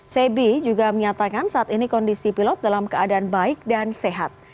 sebi juga menyatakan saat ini kondisi pilot dalam keadaan baik dan sehat